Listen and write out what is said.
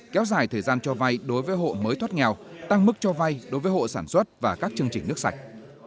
kéo dài thời gian cho vay đối với hộ mới thoát nghèo tăng mức cho vay đối với hộ sản xuất và các chương trình nước sạch